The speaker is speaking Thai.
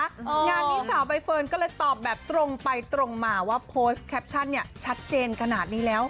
งานนี้สาวใบเฟิร์นก็เลยตอบแบบตรงไปตรงมาว่าโพสต์แคปชั่นเนี่ยชัดเจนขนาดนี้แล้ว